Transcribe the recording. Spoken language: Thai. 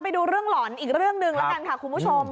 ไปดูเรื่องหล่อนอีกเรื่องหนึ่งแล้วกันค่ะคุณผู้ชม